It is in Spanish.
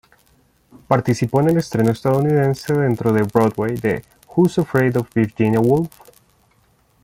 Participó en el estreno estadounidense dentro de Broadway de "Who's Afraid of Virginia Woolf?